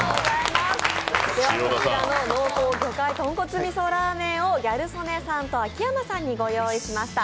濃厚魚介豚骨味噌ラーメンをギャル曽根さんと秋山さんにご用意しました。